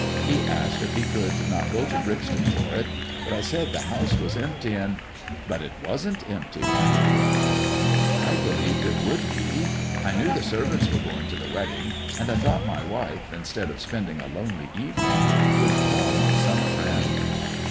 He asked if he could not go bo Brixton for it, but I said the house was empty, and "" But it wasn't empty," I interrupted. " I believed it would be ! I knew the servants were going to that wedding, and I thought my wife, instead of spending a lonely evening, would call on some friend."